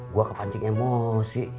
gua kepancing emosi